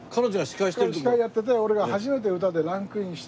司会やってて俺が初めて歌でランクインした。